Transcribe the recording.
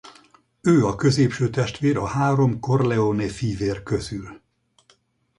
Ő a középső testvér a három Corleone-fivér közül.